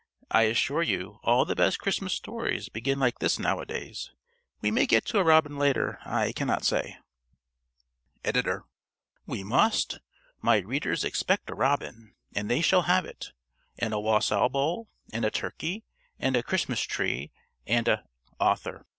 I assure you all the best Christmas stories begin like this nowadays. We may get to a robin later; I cannot say._ ~Editor.~ _We must. My readers expect a robin, and they shall have it. And a wassail bowl, and a turkey, and a Christmas tree, and a _ ~Author.